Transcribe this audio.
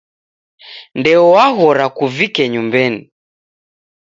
Ndeo waghora kuvike nyumbenyi.